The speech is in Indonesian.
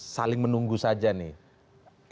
saling menunggu saja nih